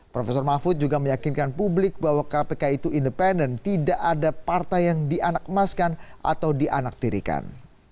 prof mahfud juga meyakinkan publik bahwa kpk itu independent tidak ada partai yang dianakmaskan atau dianaktirikan